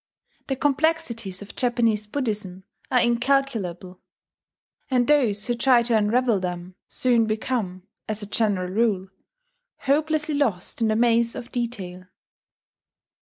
The complexities of Japanese Buddhism are incalculable; and those who try to unravel them soon become, as a general rule, hopelessly lost in the maze of detail.